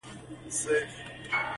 و دهقان ته يې ورپېښ کړل تاوانونه٫